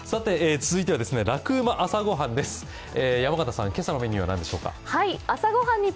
続いては「ラクうま！朝ごはん」です。